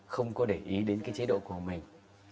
không có để ý đến cái chế độ của mình